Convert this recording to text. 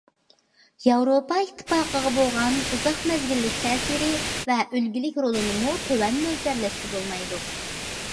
ياۋروپا ئىتتىپاقىغا بولغان ئۇزاق مەزگىللىك تەسىرى ۋە ئۈلگىلىك رولىنىمۇ تۆۋەن مۆلچەرلەشكە بولمايدۇ.